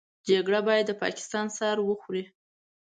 جګړه بايد د پاکستان سر وخوري.